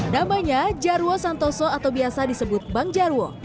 namanya jarwo santoso atau biasa disebut bang jarwo